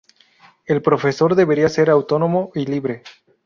El profesor debería ser autónomo y libre.